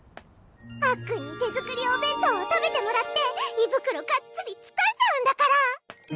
あっくんに手作りお弁当を食べてもらって胃袋がっつりつかんじゃうんだから。